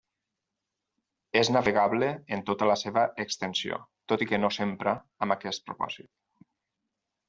És navegable en tota la seva extensió, tot i que no s'empra amb aquest propòsit.